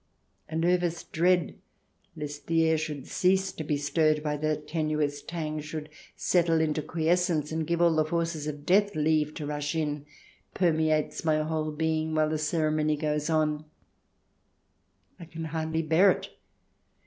A nervous dread lest the air should cease to be stirred by that tenuous tang, should settle into quiescence and give all the forces of death leave to rush in, permeates my whole being while the ceremony goes on ; I can hardly bear it.